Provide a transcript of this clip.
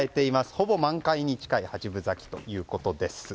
ほぼ満開に近い八分咲きということです。